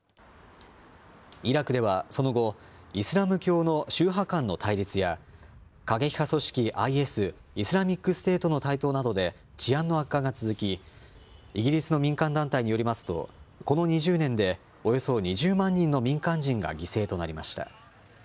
イラクでは、その後、イスラム教の宗派間の対立や、過激派組織ＩＳ・イスラミックステートの台頭などで治安の悪化が続き、イギリスの民間団体によりますと、この２０年でおよそ２０万人の民間人が犠牲となりました。